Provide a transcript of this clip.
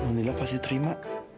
alhamdulillah pasti terima